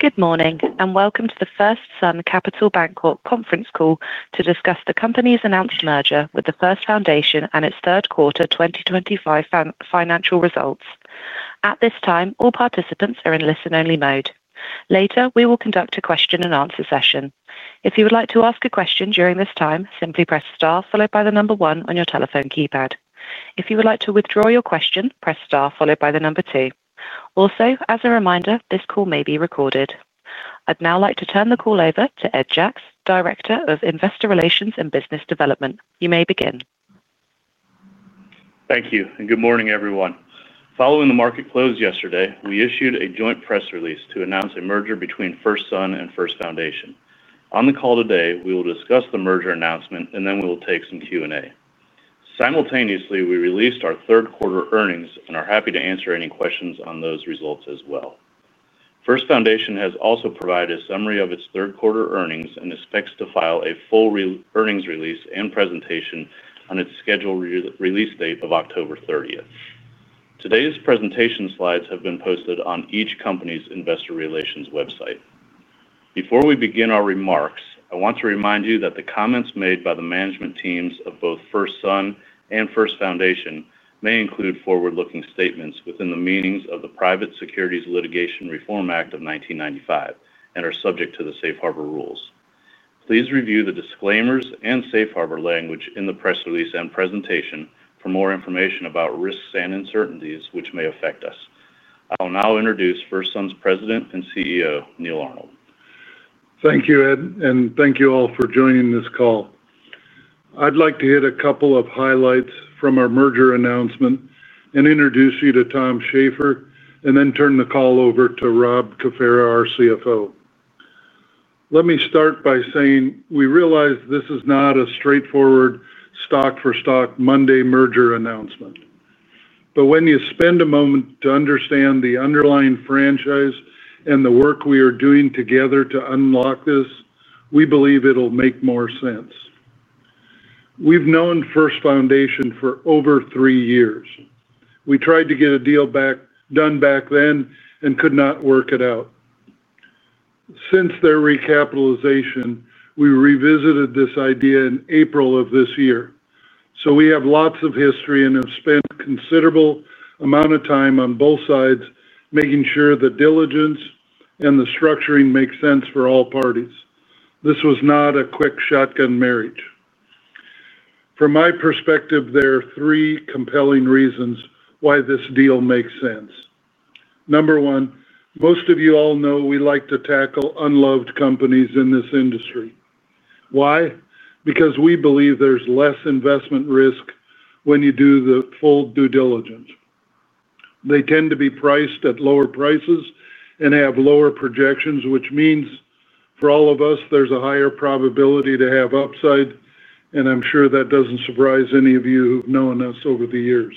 Good morning and welcome to the FirstSun Capital Bancorp conference call to discuss the company's announced merger with First Foundation. and its third quarter 2025 financial results. At this time, all participants are in listen-only mode. Later, we will conduct a question-and-answer session. If you would like to ask a question during this time, simply press star followed by the number one on your telephone keypad. If you would like to withdraw your question, press star followed by the number two. Also, as a reminder, this call may be recorded. I'd now like to turn the call over to Ed Jacques, Director of Investor Relations and Business Development. You may begin. Thank you, and good morning everyone. Following the market close yesterday, we issued a joint press release to announce a merger between FirstSun and First Foundation. On the call today, we will discuss the merger announcement, and then we will take some Q&A. Simultaneously, we released our third quarter earnings and are happy to answer any questions on those results as well. First Foundation has also provided a summary of its third quarter earnings and expects to file a full earnings release and presentation on its scheduled release date of October 30th. Today's presentation slides have been posted on each company's investor relations website. Before we begin our remarks, I want to remind you that the comments made by the management teams of both FirstSun and First Foundation may include forward-looking statements within the meanings of the Private Securities Litigation Reform Act of 1995 and are subject to the Safe Harbor rules. Please review the disclaimers and Safe Harbor language in the press release and presentation for more information about risks and uncertainties which may affect us. I'll now introduce FirstSun's President and CEO, Neal Arnold. Thank you, Ed, and thank you all for joining this call. I'd like to hit a couple of highlights from our merger announcement and introduce you to Tom Shafer, and then turn the call over to Rob Cafera, our CFO. Let me start by saying we realize this is not a straightforward stock-for-stock Monday merger announcement. When you spend a moment to understand the underlying franchise and the work we are doing together to unlock this, we believe it'll make more sense. We've known First Foundation for over three years. We tried to get a deal done back then and could not work it out. Since their recapitalization, we revisited this idea in April of this year. We have lots of history and have spent a considerable amount of time on both sides making sure the diligence and the structuring make sense for all parties. This was not a quick shotgun marriage. From my perspective, there are three compelling reasons why this deal makes sense. Number one, most of you all know we like to tackle unloved companies in this industry. Why? Because we believe there's less investment risk when you do the full due diligence. They tend to be priced at lower prices and have lower projections, which means for all of us, there's a higher probability to have upside, and I'm sure that doesn't surprise any of you who've known us over the years.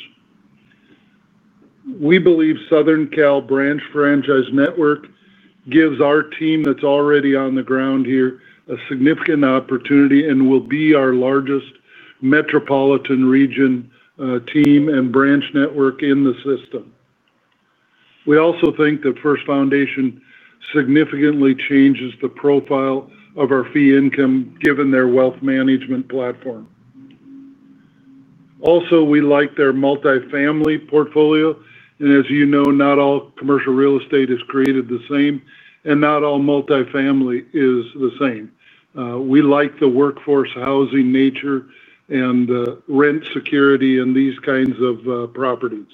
We believe Southern California Branch Franchise Network gives our team that's already on the ground here a significant opportunity and will be our largest metropolitan region team and branch network in the system. We also think that First Foundation significantly changes the profile of our fee income given their wealth management platform. We like their multifamily portfolio, and as you know, not all commercial real estate is created the same and not all multifamily is the same. We like the workforce housing nature and the rent security in these kinds of properties.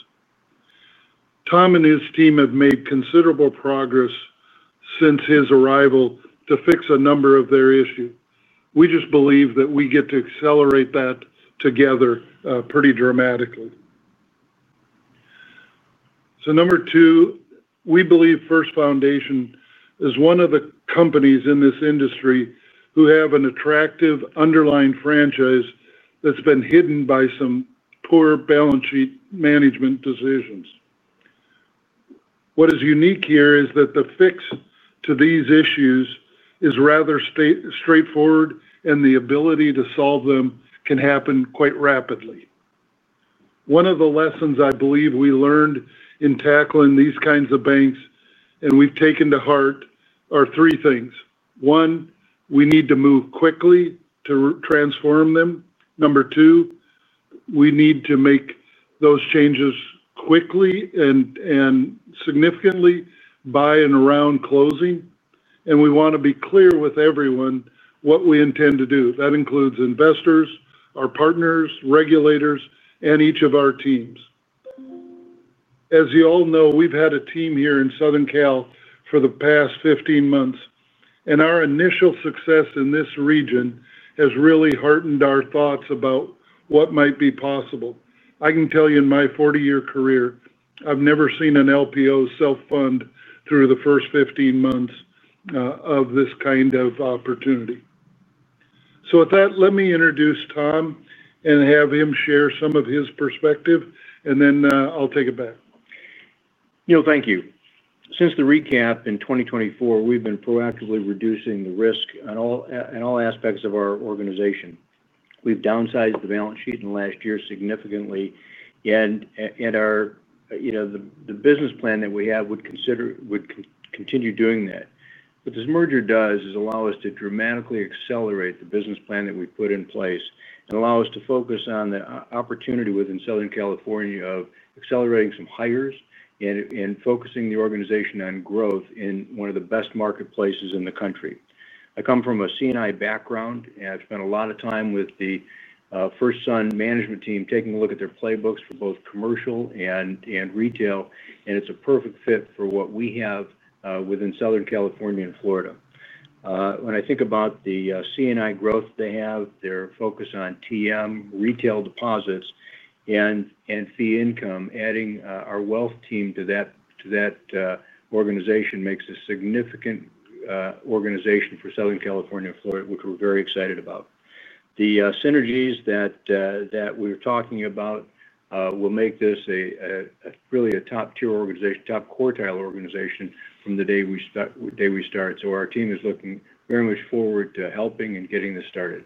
Tom and his team have made considerable progress since his arrival to fix a number of their issues. We just believe that we get to accelerate that together pretty dramatically. Number two, we believe First Foundation is one of the companies in this industry who have an attractive underlying franchise that's been hidden by some poor balance sheet management decisions. What is unique here is that the fix to these issues is rather straightforward, and the ability to solve them can happen quite rapidly. One of the lessons I believe we learned in tackling these kinds of banks and we've taken to heart are three things. One, we need to move quickly to transform them. Number two, we need to make those changes quickly and significantly buy in around closing, and we want to be clear with everyone what we intend to do. That includes investors, our partners, regulators, and each of our teams. As you all know, we've had a team here in Southern California for the past 15 months, and our initial success in this region has really heartened our thoughts about what might be possible. I can tell you in my 40-year career, I've never seen an LPO self-fund through the first 15 months of this kind of opportunity. With that, let me introduce Tom and have him share some of his perspective, and then I'll take it back. Neal, thank you. Since the recapitalization in 2024, we've been proactively reducing the risk in all aspects of our organization. We've downsized the balance sheet in the last year significantly, and the business plan that we have would continue doing that. What this merger does is allow us to dramatically accelerate the business plan that we put in place and allow us to focus on the opportunity within Southern California of accelerating some hires and focusing the organization on growth in one of the best marketplaces in the country. I come from a C&I background, and I've spent a lot of time with the FirstSun management team taking a look at their playbooks for both commercial and retail, and it's a perfect fit for what we have within Southern California and Florida. When I think about the C&I growth they have, their focus on treasury management, retail deposits, and fee income, adding our wealth team to that organization makes a significant organization for Southern California and Florida, which we're very excited about. The synergies that we're talking about will make this really a top-tier organization, top-quartile organization from the day we start. Our team is looking very much forward to helping and getting this started.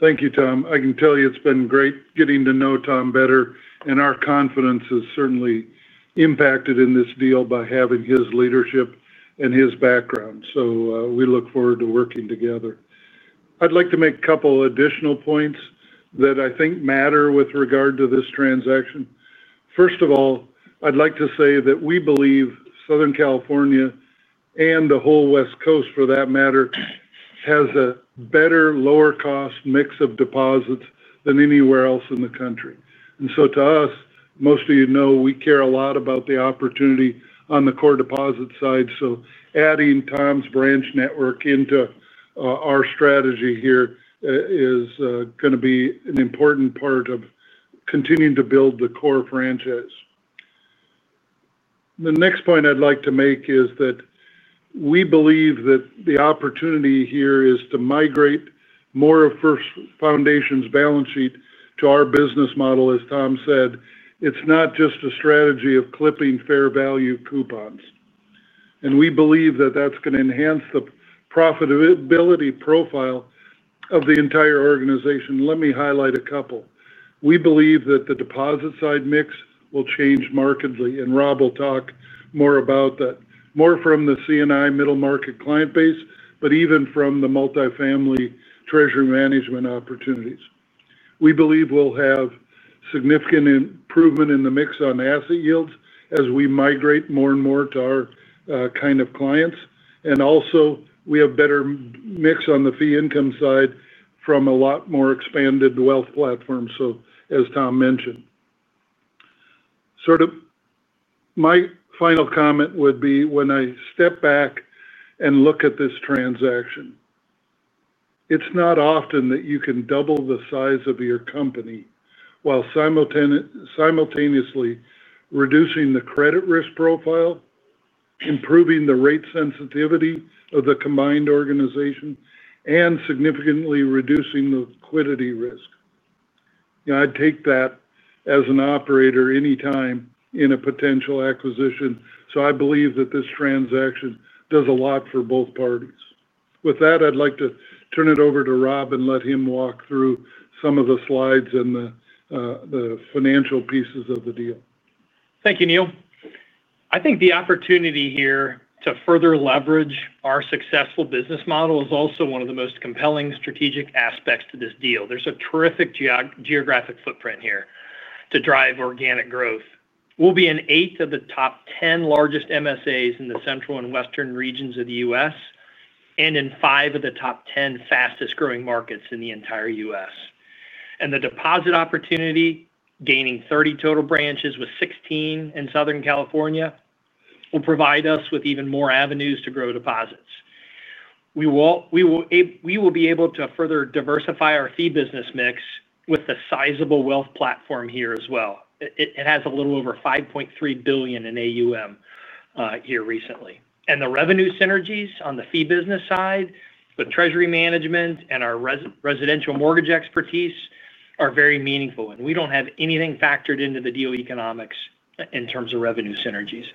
Thank you, Tom. I can tell you it's been great getting to know Tom better, and our confidence is certainly impacted in this deal by having his leadership and his background. We look forward to working together. I'd like to make a couple additional points that I think matter with regard to this transaction. First of all, I'd like to say that we believe Southern California and the whole West Coast, for that matter, has a better lower-cost mix of deposits than anywhere else in the country. To us, most of you know we care a lot about the opportunity on the core deposit side. Adding Tom's branch network into our strategy here is going to be an important part of continuing to build the core franchise. The next point I'd like to make is that we believe that the opportunity here is to migrate more of First Foundation's balance sheet to our business model. As Tom said, it's not just a strategy of clipping fair value coupons, and we believe that that's going to enhance the profitability profile of the entire organization. Let me highlight a couple. We believe that the deposit side mix will change markedly, and Rob will talk more about that, more from the C&I middle market client base, but even from the multifamily treasury management opportunities. We believe we'll have significant improvement in the mix on asset yields as we migrate more and more to our kind of clients, and also we have a better mix on the fee income side from a lot more expanded wealth platform. As Tom mentioned, sort of my final comment would be when I step back and look at this transaction, it's not often that you can double the size of your company while simultaneously reducing the credit risk profile, improving the rate sensitivity of the combined organization, and significantly reducing the liquidity risk. I'd take that as an operator anytime in a potential acquisition. I believe that this transaction does a lot for both parties. With that, I'd like to turn it over to Rob and let him walk through some of the slides and the financial pieces of the deal. Thank you, Neal. I think the opportunity here to further leverage our successful business model is also one of the most compelling strategic aspects to this deal. There's a terrific geographic footprint here to drive organic growth. We'll be in eight of the top 10 largest MSAs in the Central and Western regions of the U.S. and in five of the top 10 fastest growing markets in the entire U.S. The deposit opportunity, gaining 30 total branches with 16 in Southern California, will provide us with even more avenues to grow deposits. We will be able to further diversify our fee business mix with a sizable wealth platform here as well. It has a little over $5.3 billion in assets under management here recently. The revenue synergies on the fee business side with treasury management and our residential mortgage expertise are very meaningful, and we don't have anything factored into the deal economics in terms of revenue synergies.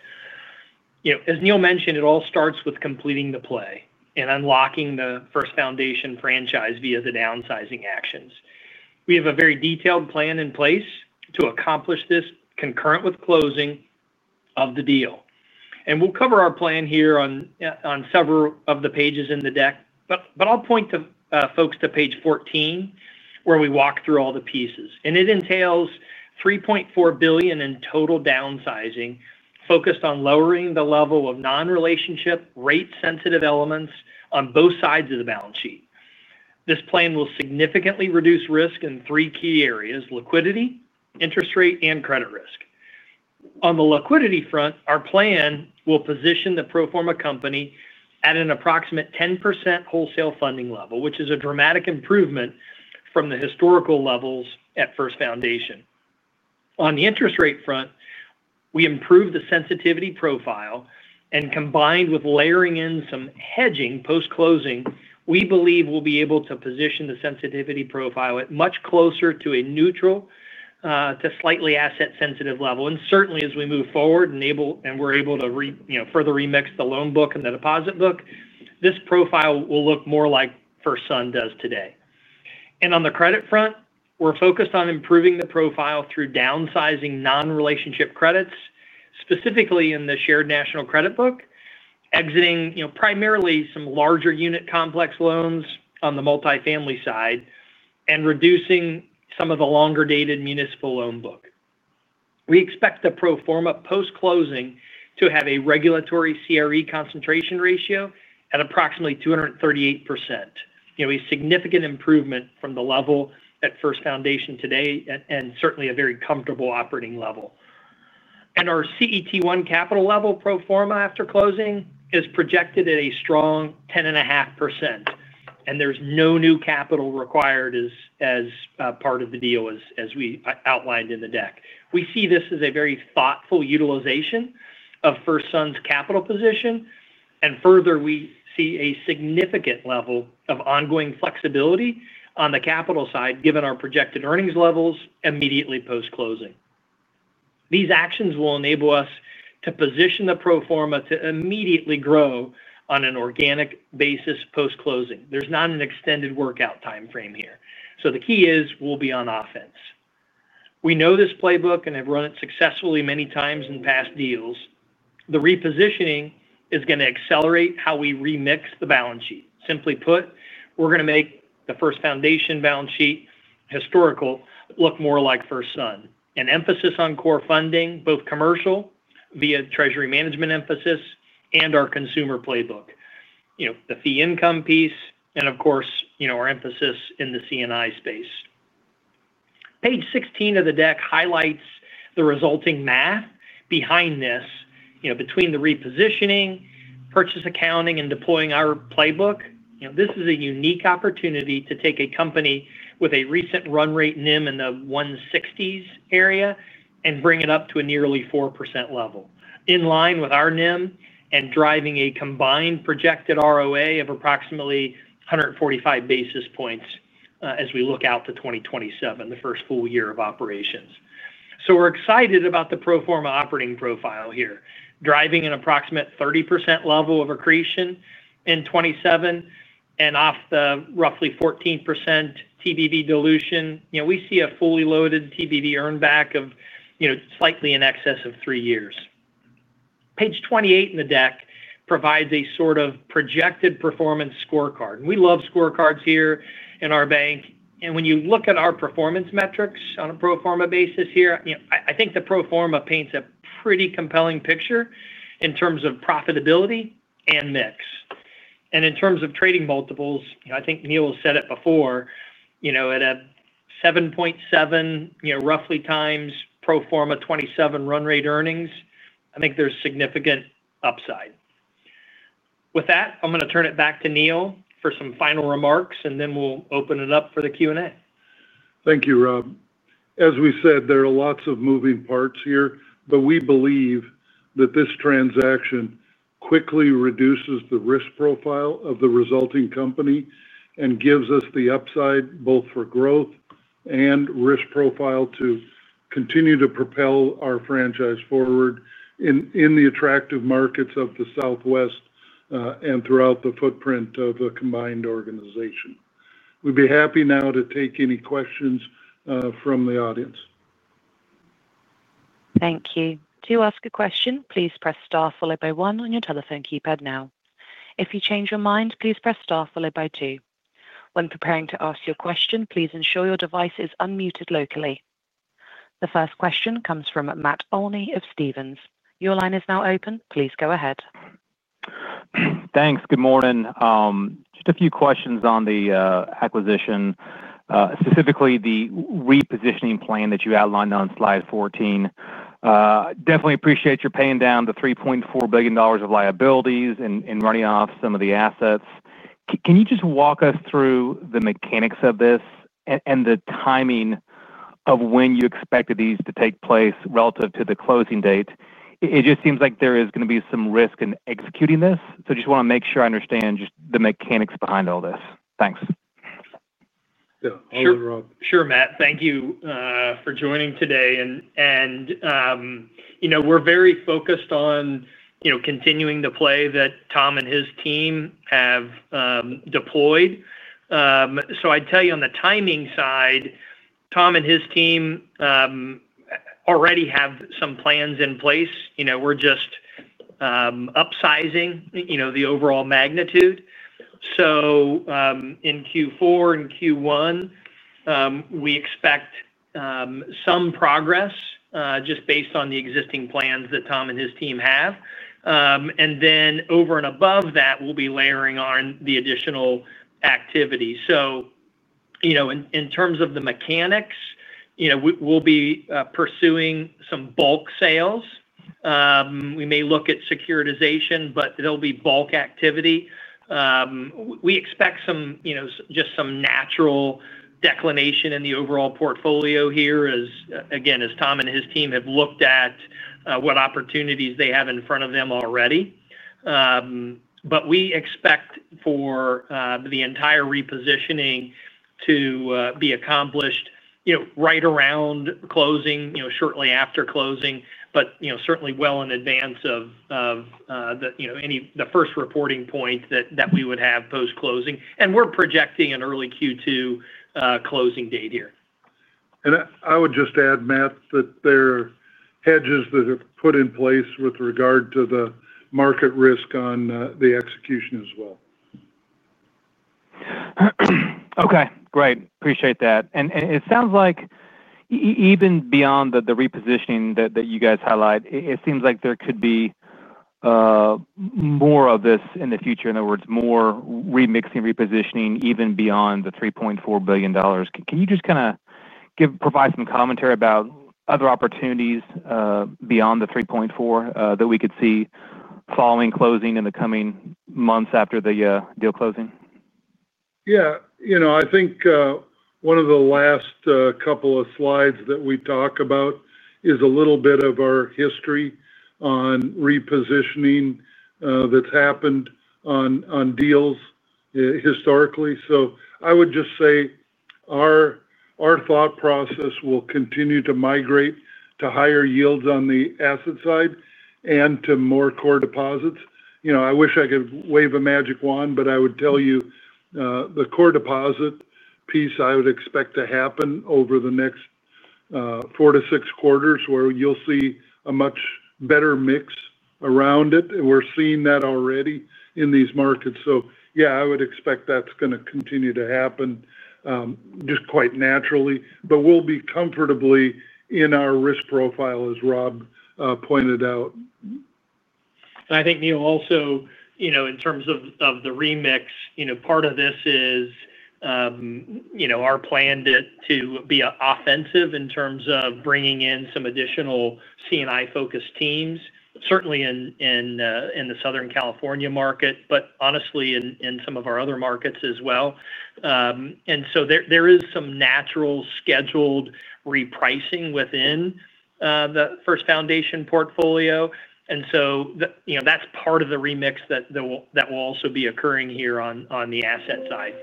As Neal mentioned, it all starts with completing the play and unlocking the First Foundation. franchise via the downsizing actions. We have a very detailed plan in place to accomplish this concurrent with closing of the deal. We'll cover our plan here on several of the pages in the deck, but I'll point folks to page 14 where we walk through all the pieces. It entails $3.4 billion in total downsizing focused on lowering the level of non-relationship rate-sensitive elements on both sides of the balance sheet. This plan will significantly reduce risk in three key areas: liquidity, interest rate, and credit risk. On the liquidity front, our plan will position the pro forma company at an approximate 10% wholesale funding level, which is a dramatic improvement from the historical levels at First Foundation. On the interest rate front, we improve the sensitivity profile, and combined with layering in some hedging post-closing, we believe we'll be able to position the sensitivity profile at much closer to a neutral to slightly asset-sensitive level. Certainly, as we move forward and we're able to further remix the loan book and the deposit book, this profile will look more like does today. On the credit front, we're focused on improving the profile through downsizing non-relationship credits, specifically in the shared national credit book, exiting primarily some larger unit complex loans on the multifamily side and reducing some of the longer-dated municipal loan book. We expect the pro forma post-closing to have a regulatory CRE concentration ratio at approximately 238%. This is a significant improvement from the level First Foundation. today and certainly a very comfortable operating level. Our CET1 capital level pro forma after closing is projected at a strong 10.5%, and there's no new capital required as part of the deal as we outlined in the deck. We see this as a very thoughtful utilization of FirstSun's capital position, and further, we see a significant level of ongoing flexibility on the capital side given our projected earnings levels immediately post-closing. These actions will enable us to position the pro forma to immediately grow on an organic basis post-closing. There is not an extended workout timeframe here. The key is we'll be on offense. We know this playbook and have run it successfully manyx in past deals. The repositioning is going to accelerate how we remix the balance sheet. Simply put, we're going to make First Foundation. balance sheet historical look more like FirstSun. An emphasis on core funding, both commercial via treasury management emphasis and our consumer playbook. The fee income piece, and of course, our emphasis in the C&I space. Page 16 of the deck highlights the resulting math behind this, between the repositioning, purchase accounting, and deploying our playbook. This is a unique opportunity to take a company with a recent run rate NIM in the 1.60% area and bring it up to a nearly 4% level, in line with our NIM and driving a combined projected ROA of approximately 145 basis points as we look out to 2027, the first full year of operations. We are excited about the pro forma operating profile here, driving an approximate 30% level of accretion in 2027 and off the roughly 14% TBV dilution. We see a fully loaded TBV earn back of slightly in excess of three years. Page 28 in the deck provides a sort of projected performance scorecard. We love scorecards here in our bank. When you look at our performance metrics on a pro forma basis here, I think the pro forma paints a pretty compelling picture in terms of profitability and mix. In terms of trading multiples, I think Neal Arnold has said it before, at a 7.7x pro forma 2027 run rate earnings, I think there's significant upside. With that, I'm going to turn it back to Neal for some final remarks, and then we'll open it up for the Q&A. Thank you, Rob. As we said, there are lots of moving parts here, but we believe that this transaction quickly reduces the risk profile of the resulting company and gives us the upside both for growth and risk profile to continue to propel our franchise forward in the attractive markets of the Southwest and throughout the footprint of a combined organization. We'd be happy now to take any questions from the audience. Thank you. To ask a question, please press star followed by one on your telephone keypad now. If you change your mind, please press star followed by two. When preparing to ask your question, please ensure your device is unmuted locally. The first question comes from Matt Olney of Stephens. Your line is now open. Please go ahead. Thanks. Good morning. Just a few questions on the acquisition, specifically the repositioning plan that you outlined on slide 14. Definitely appreciate your paying down the $3.4 billion of liabilities and running off some of the assets. Can you just walk us through the mechanics of this and the timing of when you expected these to take place relative to the closing date? It just seems like there is going to be some risk in executing this. I just want to make sure I understand the mechanics behind all this. Thanks. Sure, Rob. Sure, Matt. Thank you for joining today. We're very focused on continuing the play that Tom and his team have deployed. I'd tell you on the timing side, Tom and his team already have some plans in place. We're just upsizing the overall magnitude. In Q4 and Q1, we expect some progress just based on the existing plans that Tom and his team have. Over and above that, we'll be layering on the additional activities. In terms of the mechanics, we'll be pursuing some bulk sales. We may look at securitization, but it'll be bulk activity. We expect some natural declination in the overall portfolio here as Tom and his team have looked at what opportunities they have in front of them already. We expect for the entire repositioning to be accomplished right around closing, shortly after closing, but certainly well in advance of the first reporting point that we would have post-closing. We're projecting an early Q2 closing date here. I would just add, Matt, that there are hedges that are put in place with regard to the market risk on the execution as well. Okay. Great. Appreciate that. It sounds like even beyond the repositioning that you guys highlight, it seems like there could be more of this in the future. In other words, more remixing, repositioning even beyond the $3.4 billion. Can you just kind of provide some commentary about other opportunities beyond the $3.4 billion that we could see following closing in the coming months after the deal closing? Yeah, I think one of the last couple of slides that we talk about is a little bit of our history on repositioning that's happened on deals historically. I would just say our thought process will continue to migrate to higher yields on the asset side and to more core deposits. I wish I could wave a magic wand, but I would tell you the core deposit piece I would expect to happen over the next four to six quarters, where you'll see a much better mix around it. We're seeing that already in these markets. I would expect that's going to continue to happen just quite naturally, but we'll be comfortably in our risk profile as Rob Cafera pointed out. I think, Neal, also in terms of the remix, part of this is our plan to be offensive in terms of bringing in some additional C&I-focused teams, certainly in the Southern California market, but honestly in some of our other markets as well. There is some natural scheduled repricing within the First Foundation portfolio, and that's part of the remix that will also be occurring here on the asset side.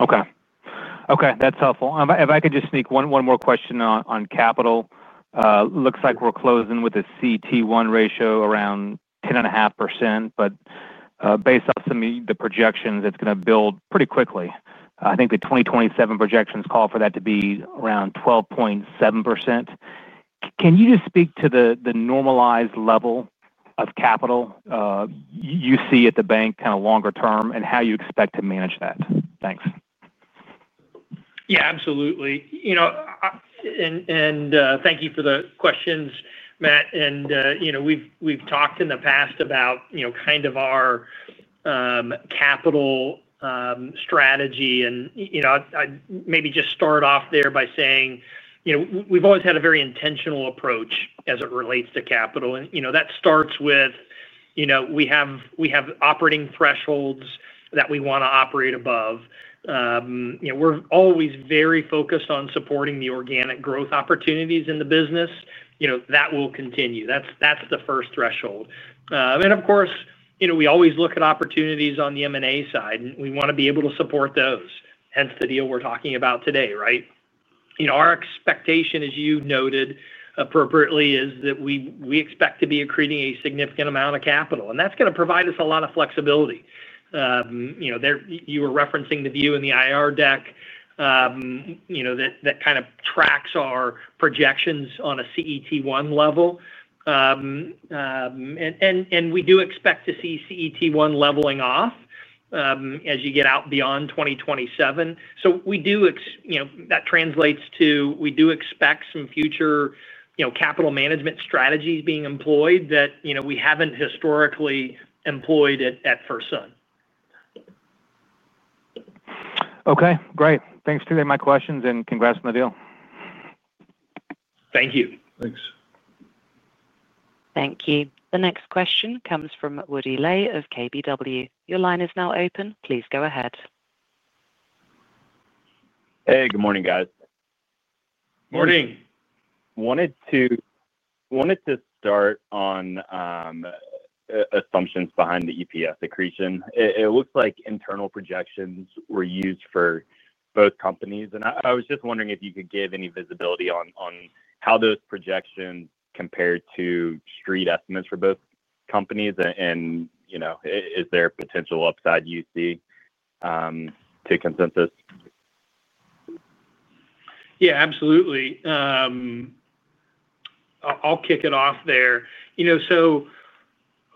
Okay. That's helpful. If I could just sneak one more question on capital, it looks like we're closing with a CET1 ratio around 10.5%, but based off some of the projections, it's going to build pretty quickly. I think the 2027 projections call for that to be around 12.7%. Can you just speak to the normalized level of capital you see at the bank kind of longer term and how you expect to manage that? Thanks. Yeah, absolutely. Thank you for the questions, Matt. We've talked in the past about our capital strategy. I'd maybe just start off there by saying we've always had a very intentional approach as it relates to capital. That starts with we have operating thresholds that we want to operate above. We're always very focused on supporting the organic growth opportunities in the business. That will continue. That's the first threshold. Of course, we always look at opportunities on the M&A side, and we want to be able to support those, hence the deal we're talking about today, right? Our expectation, as you noted appropriately, is that we expect to be accreting a significant amount of capital, and that's going to provide us a lot of flexibility. You were referencing the view in the IR deck that kind of tracks our projections on a CET1 level. We do expect to see CET1 leveling off as you get out beyond 2027. That translates to we do expect some future capital management strategies being employed that we haven't historically employed at FirstSun. Okay. Great. Thanks for taking my questions, and congrats on the deal. Thank you. Thanks. Thank you. The next question comes from Woody Lay of KBW. Your line is now open. Please go ahead. Hey, good morning, guys. Morning. I wanted to start on assumptions behind the EPS accretion. It looks like internal projections were used for both companies. I was just wondering if you could give any visibility on how those projections compared to street estimates for both companies, and you know, is there a potential upside you see to consensus? Yeah, absolutely. I'll kick it off there.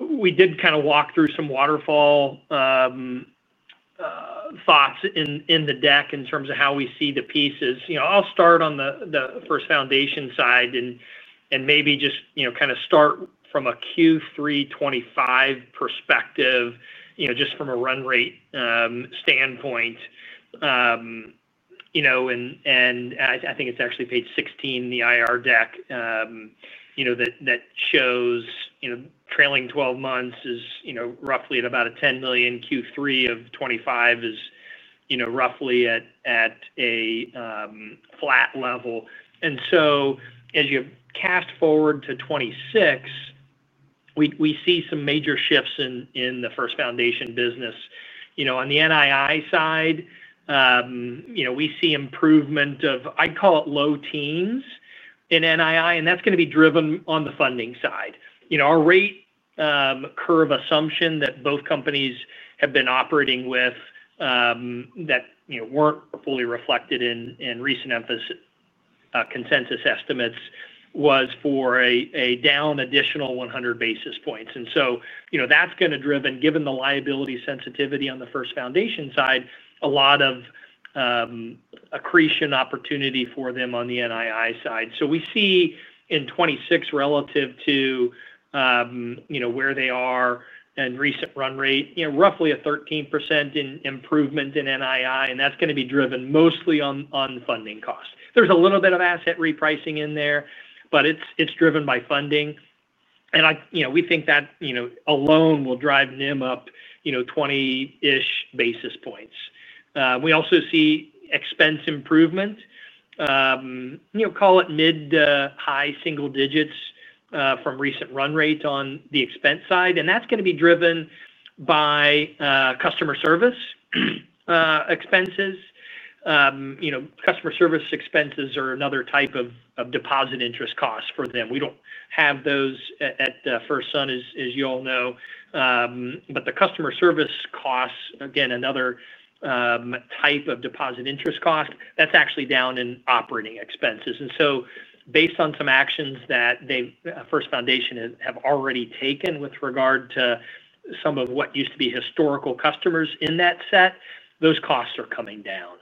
We did kind of walk through some waterfall thoughts in the deck in terms of how we see the pieces. I'll start on the First Foundation side and maybe just kind of start from a Q3 2025 perspective, just from a run rate standpoint. I think it's actually page 16 in the IR deck that shows trailing 12 months is roughly at about $10 million. Q3 of 2025 is roughly at a flat level. As you cast forward to 2026, we see some major shifts in the First Foundation business. On the NII side, we see improvement of, I'd call it, low teens in NII, and that's going to be driven on the funding side. Our rate curve assumption that both companies have been operating with that weren't fully reflected in recent consensus estimates was for a down additional 100 basis points. That's going to be driven, given the liability sensitivity on the First Foundation side, a lot of accretion opportunity for them on the NII side. We see in 2026 relative to where they are in recent run rate, roughly a 13% improvement in NII, and that's going to be driven mostly on funding costs. There's a little bit of asset repricing in there, but it's driven by funding. We think that alone will drive NIM up 20-ish basis points. We also see expense improvement, call it mid-high single digits from recent run rate on the expense side, and that's going to be driven by customer service expenses. Customer service expenses are another type of deposit interest cost for them. We don't have those at FirstSun, as you all know. The customer service costs, again, another type of deposit interest cost, that's actually down in operating expenses. Based on some actions that First Foundation have already taken with regard to some of what used to be historical customers in that set, those costs are coming down.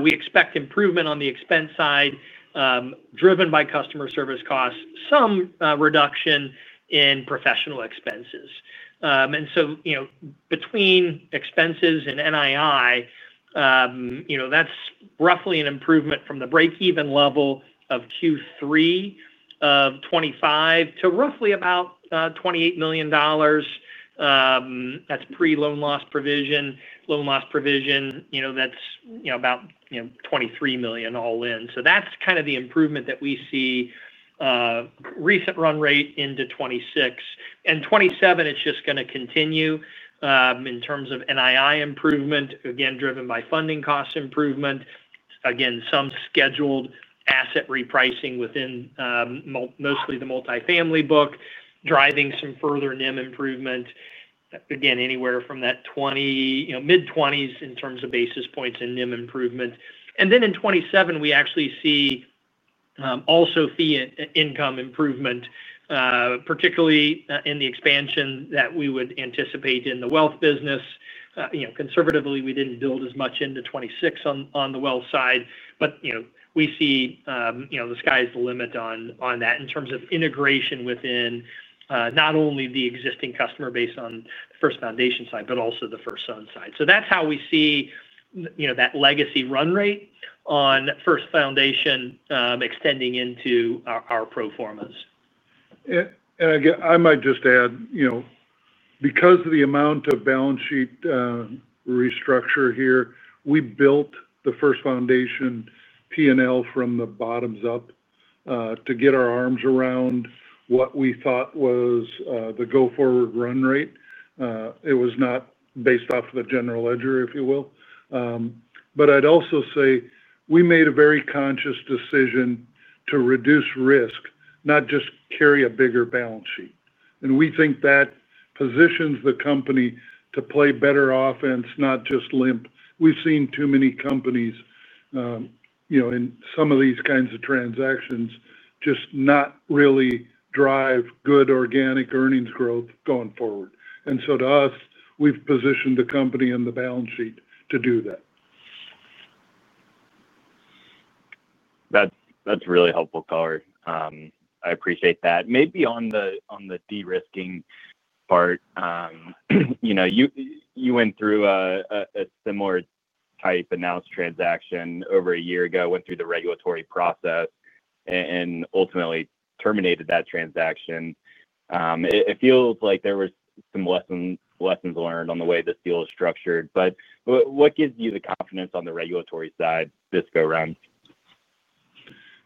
We expect improvement on the expense side, driven by customer service costs, some reduction in professional expenses. Between expenses and NII, that's roughly an improvement from the break-even level of Q3 of 2025 to roughly about $28 million. That's pre-loan loss provision. Loan loss provision, that's about $23 million all in. That is kind of the improvement that we see, recent run rate into 2026. In 2027, it is just going to continue in terms of NII improvement, again driven by funding cost improvement. Some scheduled asset repricing within mostly the multifamily lending portfolio is driving some further NIM improvement, anywhere from that 20, you know, mid-20s in terms of basis points and NIM improvement. In 2027, we actually see also fee income improvement, particularly in the expansion that we would anticipate in the wealth management business. Conservatively, we did not build as much into 2026 on the wealth management side, but we see the sky's the limit on that in terms of integration within not only the existing customer base on First Foundation. side, but also the FirstSun Capital Bancorp side. That is how we see that legacy run rate First Foundation. extending into our pro formas. I might just add, you know, because of the amount of balance sheet restructure here, we built the First Foundation P&L from the bottoms up to get our arms around what we thought was the go-forward run rate. It was not based off of the general ledger, if you will. I'd also say we made a very conscious decision to reduce risk, not just carry a bigger balance sheet. We think that positions the company to play better offense, not just limp. We've seen too many companies, you know, in some of these kinds of transactions just not really drive good organic earnings growth going forward. To us, we've positioned the company in the balance sheet to do that. That's really helpful. I appreciate that. Maybe on the de-risking part, you went through a similar type announced transaction over a year ago, went through the regulatory process, and ultimately terminated that transaction. It feels like there were some lessons learned on the way this deal is structured. What gives you the confidence on the regulatory side this go-round?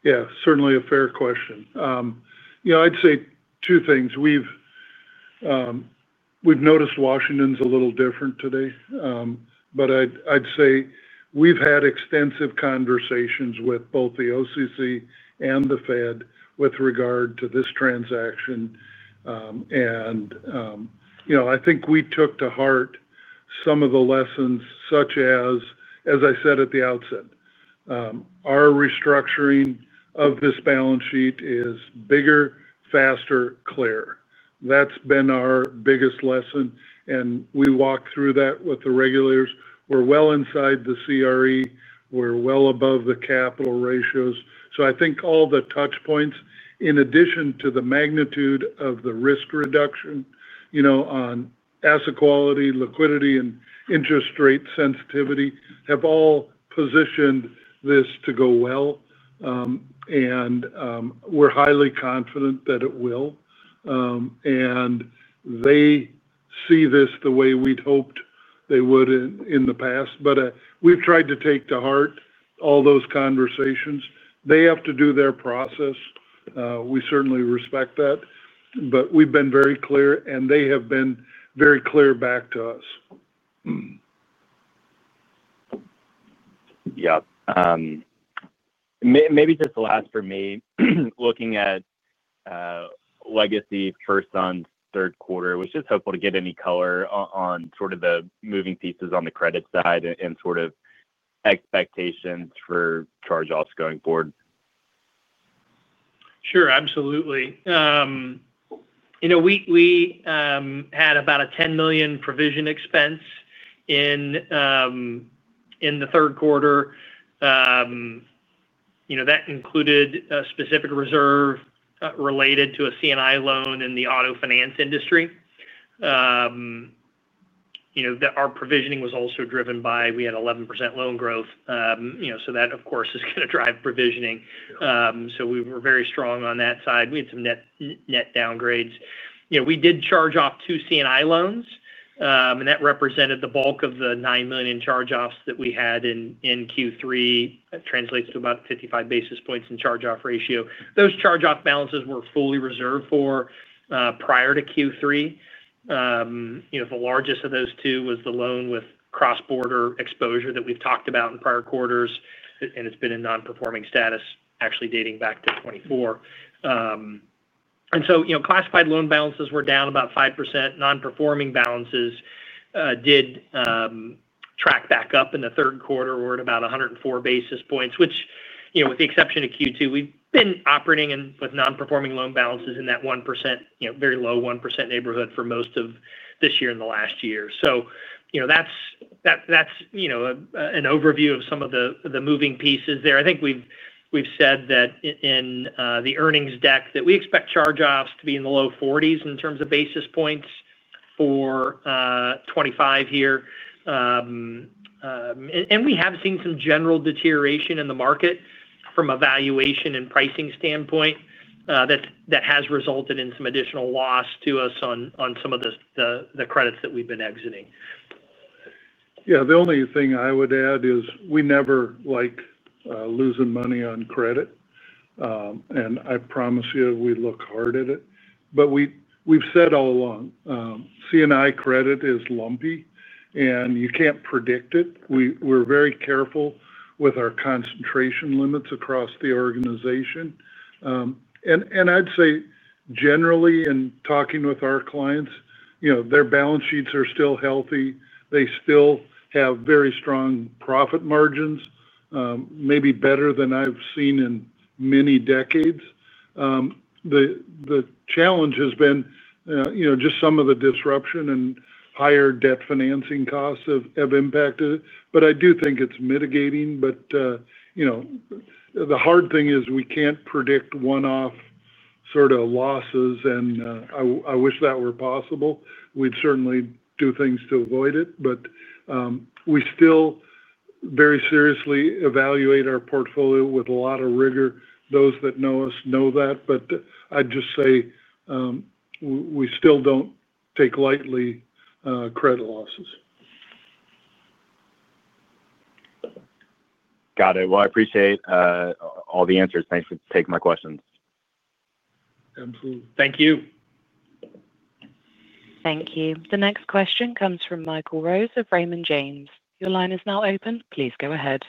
Yeah, certainly a fair question. I'd say two things. We've noticed Washington's a little different today. I'd say we've had extensive conversations with both the OCC and the Fed with regard to this transaction. I think we took to heart some of the lessons such as, as I said at the outset, our restructuring of this balance sheet is bigger, faster, clearer. That's been our biggest lesson, and we walked through that with the regulators. We're well inside the CRE. We're well above the capital ratios. I think all the touchpoints, in addition to the magnitude of the risk reduction on asset quality, liquidity, and interest rate sensitivity, have all positioned this to go well. We're highly confident that it will. They see this the way we'd hoped they would in the past. We've tried to take to heart all those conversations. They have to do their process. We certainly respect that. We've been very clear, and they have been very clear back to us. Maybe just the last for me, looking at legacy FirstSun's third quarter, it was just helpful to get any color on sort of the moving pieces on the credit side and sort of expectations for charge-offs going forward. Sure, absolutely. We had about a $10 million provision expense in the third quarter. That included a specific reserve related to a C&I loan in the auto finance industry. Our provisioning was also driven by 11% loan growth, which is going to drive provisioning. We were very strong on that side. We had some net downgrades. We did charge off two C&I loans, and that represented the bulk of the $9 million charge-offs that we had in Q3. That translates to about 55 basis points in charge-off ratio. Those charge-off balances were fully reserved for prior to Q3. The largest of those two was the loan with cross-border exposure that we've talked about in prior quarters, and it's been in non-performing status, actually dating back to 2024. Classified loan balances were down about 5%. Non-performing balances did track back up in the third quarter at about 104 basis points, which, with the exception of Q2, we've been operating with non-performing loan balances in that 1%, very low 1% neighborhood for most of this year and last year. That's an overview of some of the moving pieces there. I think we've said in the earnings deck that we expect charge-offs to be in the low 40s in terms of basis points for 2025. We have seen some general deterioration in the market from a valuation and pricing standpoint that has resulted in some additional loss to us on some of the credits that we've been exiting. Yeah. The only thing I would add is we never like losing money on credit. I promise you we look hard at it. We've said all along, C&I credit is lumpy, and you can't predict it. We're very careful with our concentration limits across the organization. I'd say generally, in talking with our clients, their balance sheets are still healthy. They still have very strong profit margins, maybe better than I've seen in many decades. The challenge has been just some of the disruption and higher debt financing costs have impacted it. I do think it's mitigating. The hard thing is we can't predict one-off sort of losses, and I wish that were possible. We'd certainly do things to avoid it. We still very seriously evaluate our portfolio with a lot of rigor. Those that know us know that. I'd just say we still don't take lightly credit losses. Got it. I appreciate all the answers. Thanks for taking my questions. Absolutely. Thank you. Thank you. The next question comes from Michael Rose of Raymond James. Your line is now open. Please go ahead.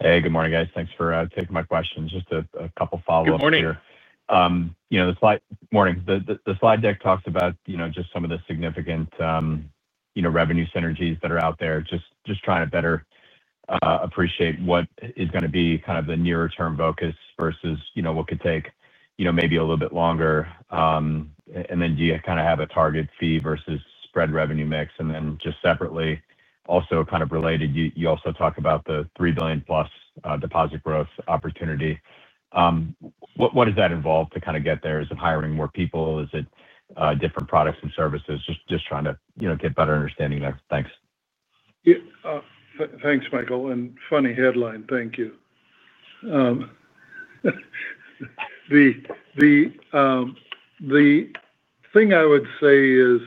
Hey, good morning, guys. Thanks for taking my questions. Just a couple of follow-ups here. Good morning. The slide deck talks about just some of the significant revenue synergies that are out there. Just trying to better appreciate what is going to be kind of the nearer-term focus versus what could take maybe a little bit longer. Do you kind of have a target fee versus spread revenue mix? Also, kind of related, you also talk about the $3 billion+ deposit growth opportunity. What does that involve to get there? Is it hiring more people? Is it different products and services? Just trying to get a better understanding there. Thanks. Thanks, Michael. Funny headline. Thank you. The thing I would say is,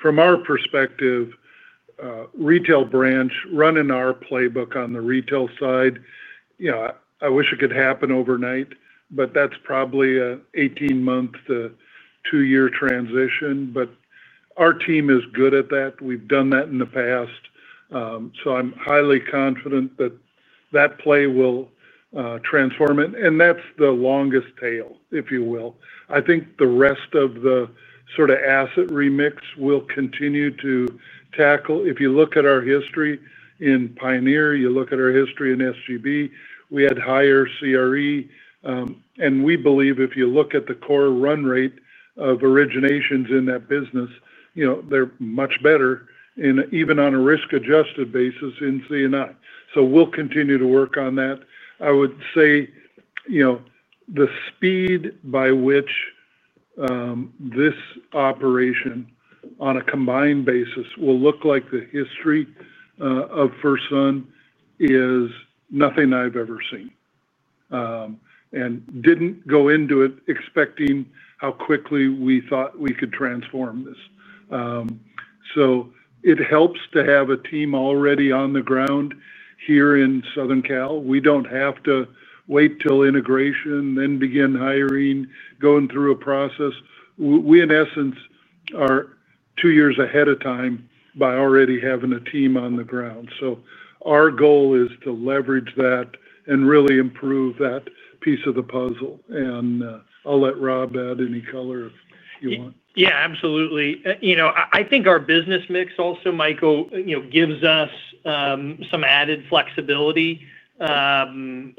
from our perspective, retail branch running our playbook on the retail side, I wish it could happen overnight, but that's probably an 18-month to 2-year transition. Our team is good at that. We've done that in the past. I'm highly confident that that play will transform it. That's the longest tail, if you will. I think the rest of the sort of asset remix will continue to tackle. If you look at our history in Pioneer, you look at our history in SGB, we had higher CRE. We believe if you look at the core run rate of originations in that business, they're much better even on a risk-adjusted basis in C&I. We'll continue to work on that. I would say the speed by which this operation on a combined basis will look like the history of FirstSun is nothing I've ever seen. I didn't go into it expecting how quickly we thought we could transform this. It helps to have a team already on the ground here in Southern California. We don't have to wait till integration, then begin hiring, going through a process. We, in essence, are two years ahead of time by already having a team on the ground. Our goal is to leverage that and really improve that piece of the puzzle. I'll let Rob add any color if you want. Yeah, absolutely. I think our business mix also, Michael, gives us some added flexibility. We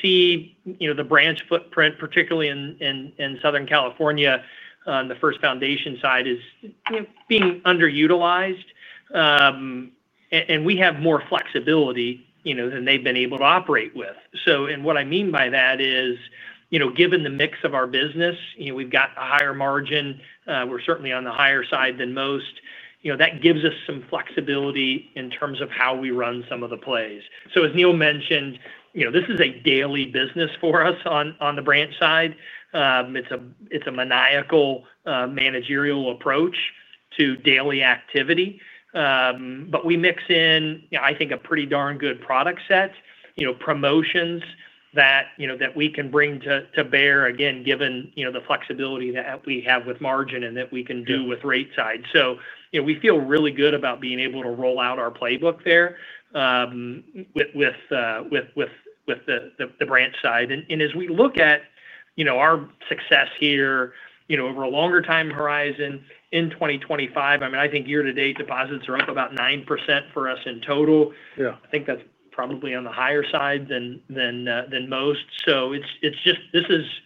see the branch footprint, particularly in Southern California on the First Foundation side, is being underutilized. We have more flexibility than they've been able to operate with. What I mean by that is, given the mix of our business, we've got a higher margin. We're certainly on the higher side than most. That gives us some flexibility in terms of how we run some of the plays. As Neal mentioned, this is a daily business for us on the branch side. It's a maniacal managerial approach to daily activity. We mix in, I think, a pretty darn good product set, promotions that we can bring to bear, again, given the flexibility that we have with margin and that we can do with rate side. We feel really good about being able to roll out our playbook there with the branch side. As we look at our success here over a longer time horizon in 2025, I think year-to-date deposits are up about 9% for us in total. I think that's probably on the higher side than most.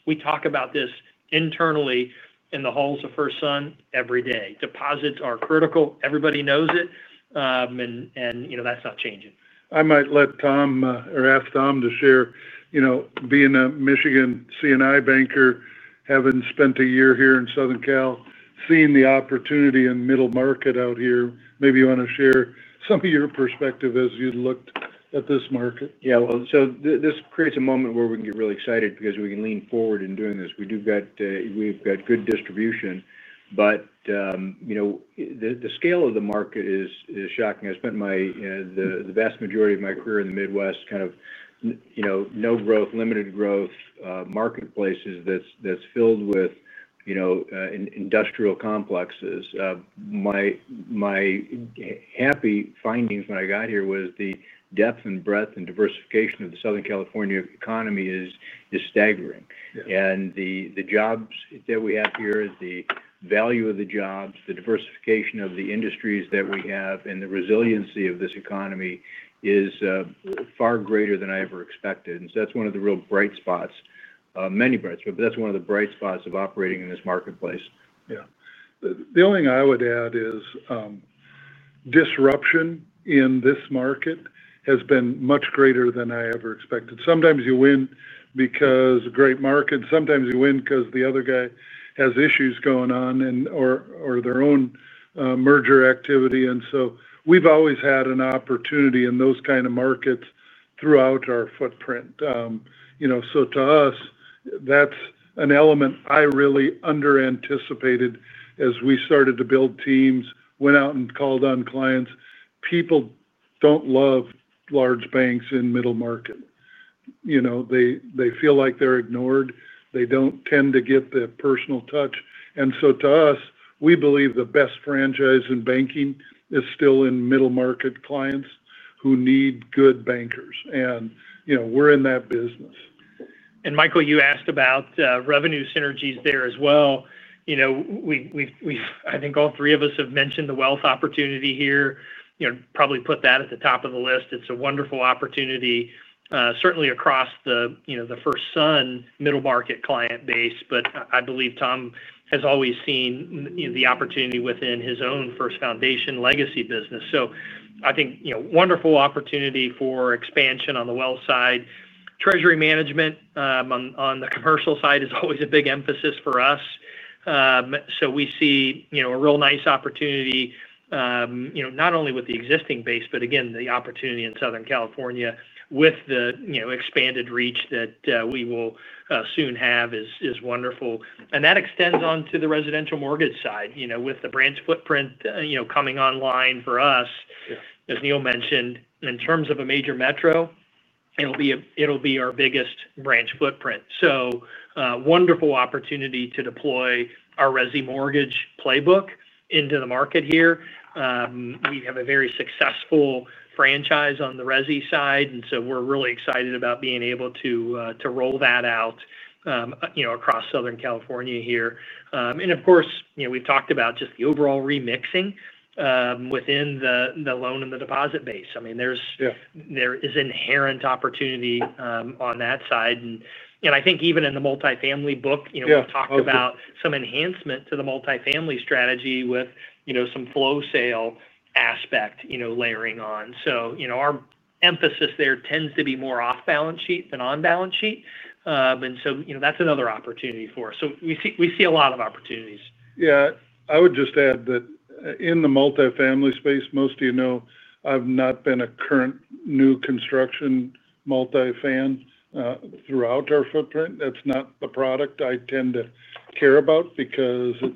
We talk about this internally in the halls of FirstSun every day. Deposits are critical. Everybody knows it. That's not changing. I might let Tom or ask Tom to share, you know, being a Michigan C&I banker, having spent a year here in Southern California, seeing the opportunity in the middle market out here. Maybe you want to share some of your perspective as you looked at this market. Yeah, this creates a moment where we can get really excited because we can lean forward in doing this. We've got good distribution, but the scale of the market is shocking. I spent the vast majority of my career in the Midwest, kind of no growth, limited growth marketplaces that's filled with industrial complexes. My happy findings when I got here were the depth and breadth and diversification of the Southern California economy is staggering. The jobs that we have here, the value of the jobs, the diversification of the industries that we have, and the resiliency of this economy is far greater than I ever expected. That's one of the real bright spots, many bright spots, but that's one of the bright spots of operating in this marketplace. Yeah. The only thing I would add is disruption in this market has been much greater than I ever expected. Sometimes you win because of a great market, and sometimes you win because the other guy has issues going on or their own merger activity. We have always had an opportunity in those kinds of markets throughout our footprint. To us, that's an element I really under-anticipated as we started to build teams, went out and called on clients. People do not love large banks in the middle market. They feel like they're ignored. They do not tend to get the personal touch. To us, we believe the best franchise in banking is still in middle-market clients who need good bankers. We're in that business. Michael, you asked about revenue synergies there as well. I think all three of us have mentioned the wealth opportunity here. I'd probably put that at the top of the list. It's a wonderful opportunity, certainly across the FirstSun middle-market client base. I believe Tom has always seen the opportunity within his own First Foundation legacy business. I think it's a wonderful opportunity for expansion on the wealth side. Treasury management on the commercial side is always a big emphasis for us. We see a real nice opportunity, not only with the existing base, but again, the opportunity in Southern California with the expanded reach that we will soon have is wonderful. That extends onto the residential mortgage side, with the branch footprint coming online for us. As Neal mentioned, in terms of a major metro, it'll be our biggest branch footprint. It's a wonderful opportunity to deploy our RESI mortgage playbook into the market here. We have a very successful franchise on the RESI side, and we're really excited about being able to roll that out across Southern California here. Of course, we've talked about just the overall remixing within the loan and the deposit base. There is inherent opportunity on that side. I think even in the multifamily book, we've talked about some enhancement to the multifamily strategy with some flow sale aspect layering on. Our emphasis there tends to be more off balance sheet than on balance sheet, and that's another opportunity for us. We see a lot of opportunities. Yeah. I would just add that in the multifamily space, most of you know, I've not been a current new construction multifamily throughout our footprint. That's not the product I tend to care about because it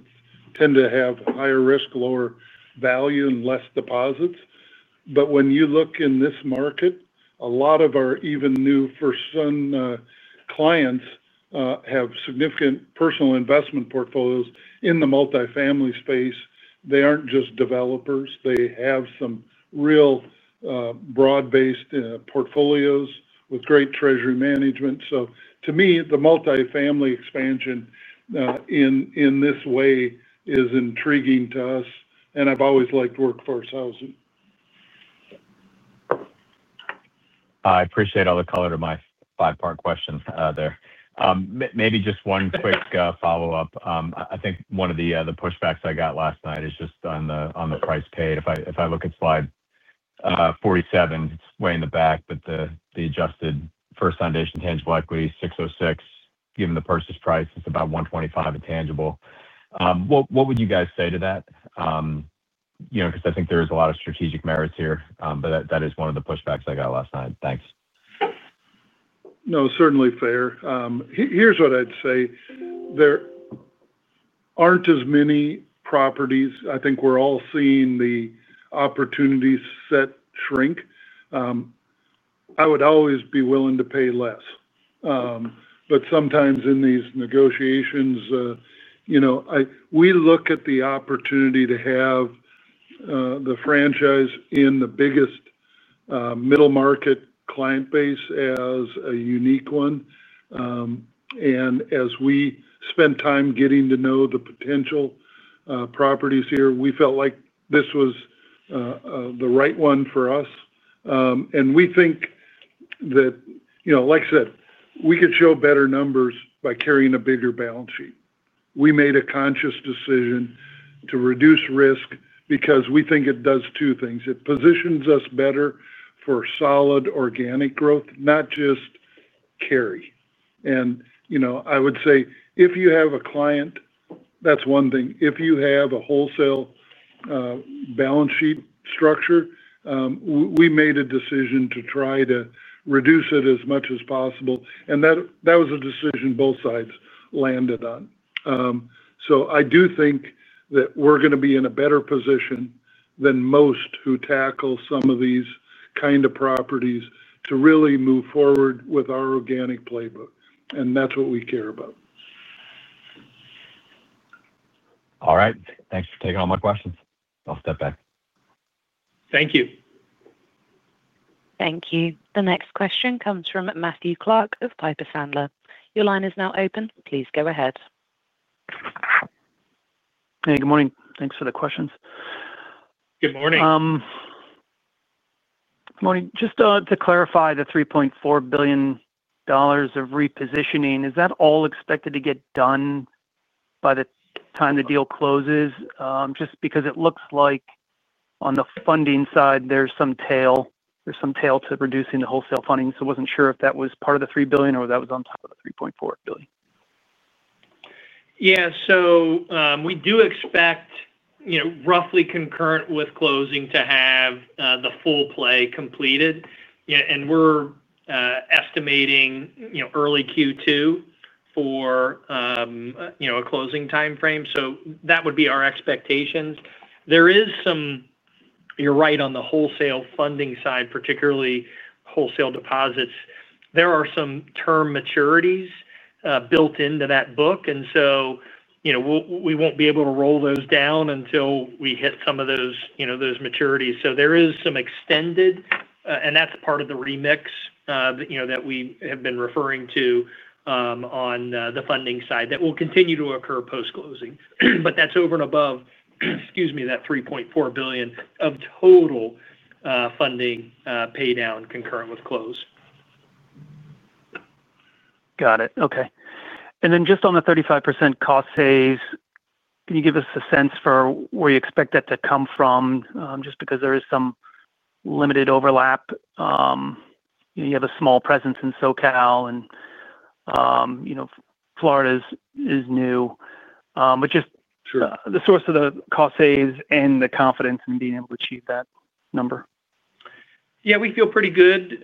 tends to have higher risk, lower value, and less deposits. When you look in this market, a lot of our even new FirstSun clients have significant personal investment portfolios in the multifamily space. They aren't just developers. They have some real broad-based portfolios with great treasury management. To me, the multifamily expansion in this way is intriguing to us. I've always liked workforce housing. I appreciate all the color to my five-part question there. Maybe just one quick follow-up. I think one of the pushbacks I got last night is just on the price paid. If I look at slide 47, it's way in the back, but the adjusted First Foundation tangible equity is $606 million. Given the purchase price, it's about $125 million of tangible. What would you guys say to that? I think there is a lot of strategic merits here, but that is one of the pushbacks I got last night. Thanks. No, certainly fair. Here's what I'd say. There aren't as many properties. I think we're all seeing the opportunity set shrink. I would always be willing to pay less. Sometimes in these negotiations, we look at the opportunity to have the franchise in the biggest middle-market client base as a unique one. As we spent time getting to know the potential properties here, we felt like this was the right one for us. We think that, like I said, we could show better numbers by carrying a bigger balance sheet. We made a conscious decision to reduce risk because we think it does two things. It positions us better for solid organic growth, not just carry. I would say if you have a client, that's one thing. If you have a wholesale balance sheet structure, we made a decision to try to reduce it as much as possible. That was a decision both sides landed on. I do think that we're going to be in a better position than most who tackle some of these kinds of properties to really move forward with our organic playbook. That's what we care about. All right. Thanks for taking all my questions. I'll step back. Thank you. Thank you. The next question comes from Matthew Clark of Piper Sandler. Your line is now open. Please go ahead. Hey, good morning. Thanks for the questions. Good morning. Morning. Just to clarify, the $3.4 billion of repositioning, is that all expected to get done by the time the deal closes? Just because it looks like on the funding side, there's some tail to reducing the wholesale funding. I wasn't sure if that was part of the $3 billion or if that was on top of the $3.4 billion. Yeah. We do expect, you know, roughly concurrent with closing to have the full play completed. We're estimating, you know, early Q2 for, you know, a closing timeframe. That would be our expectations. There is some, you're right on the wholesale funding side, particularly wholesale deposits. There are some term maturities built into that book, and we won't be able to roll those down until we hit some of those maturities. There is some extended, and that's part of the remix, you know, that we have been referring to on the funding side that will continue to occur post-closing. That's over and above, excuse me, that $3.4 billion of total funding paydown concurrent with close. Got it. Okay. On the 35% cost saves, can you give us a sense for where you expect that to come from? There is some limited overlap. You have a small presence in Southern California, and Florida is new. Just the source of the cost saves and the confidence in being able to achieve that number. Yeah, we feel pretty good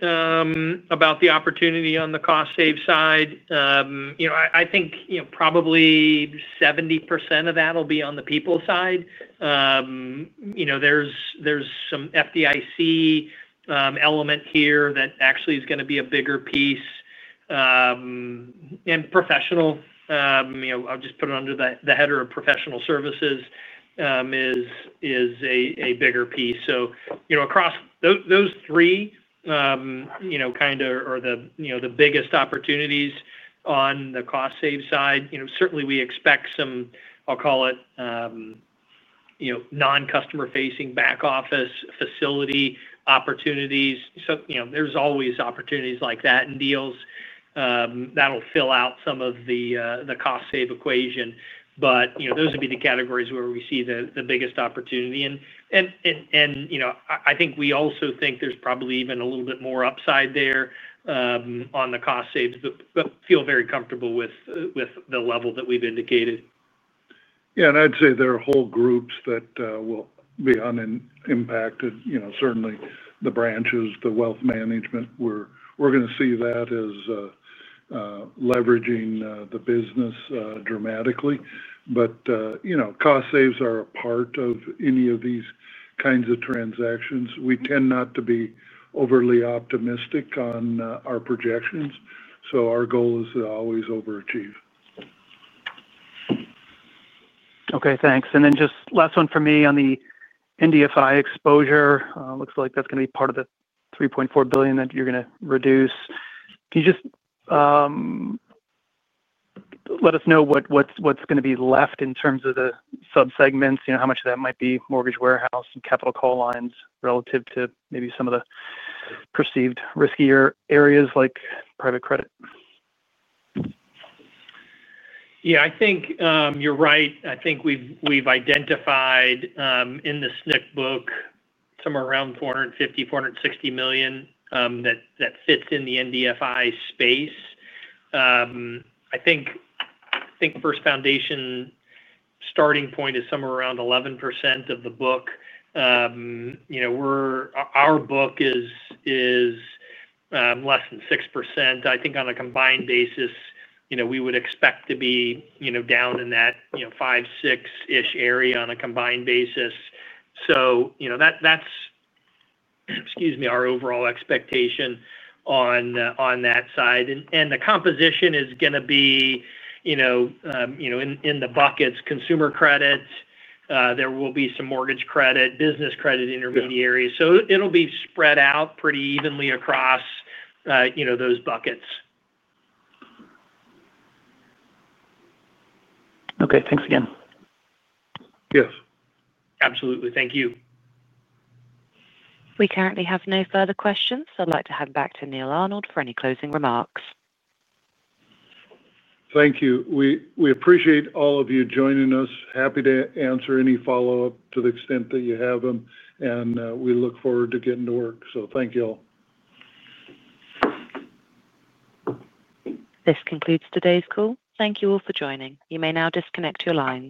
about the opportunity on the cost save side. I think probably 70% of that will be on the people side. There's some FDIC element here that actually is going to be a bigger piece. I'll just put it under the header of professional services as a bigger piece. Across those three are the biggest opportunities on the cost save side. Certainly, we expect some, I'll call it, non-customer-facing back office facility opportunities. There's always opportunities like that in deals that'll fill out some of the cost save equation. Those would be the categories where we see the biggest opportunity. I think we also think there's probably even a little bit more upside there on the cost saves, but feel very comfortable with the level that we've indicated. Yeah. I'd say there are whole groups that will be unimpacted. Certainly the branches, the wealth management, we're going to see that as leveraging the business dramatically. Cost saves are a part of any of these kinds of transactions. We tend not to be overly optimistic on our projections. Our goal is to always overachieve. Okay. Thanks. Just last one for me on the NDFI exposure. Looks like that's going to be part of the $3.4 billion that you're going to reduce. Can you just let us know what's going to be left in terms of the subsegments? You know, how much of that might be mortgage warehouse and capital call lines relative to maybe some of the perceived riskier areas like private credit? Yeah, I think you're right. I think we've identified in the SNCC book somewhere around $450 million, $460 million that fits in the NDFI space. I think First Foundation starting point is somewhere around 11% of the book. You know, our book is less than 6%. I think on a combined basis, you know, we would expect to be down in that five, six-ish area on a combined basis. That's, excuse me, our overall expectation on that side. The composition is going to be in the buckets, consumer credit, there will be some mortgage credit, business credit intermediaries. It'll be spread out pretty evenly across those buckets. Okay, thanks again. Yes. Absolutely. Thank you. We currently have no further questions, so I'd like to hand back to Neal Arnold for any closing remarks. Thank you. We appreciate all of you joining us. Happy to answer any follow-up to the extent that you have them. We look forward to getting to work. Thank you all. This concludes today's call. Thank you all for joining. You may now disconnect your lines.